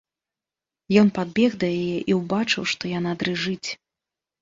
Ён падбег да яе і ўбачыў, што яна дрыжыць.